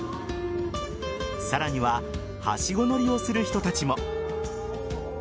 さらにははしご乗りをする人たちも。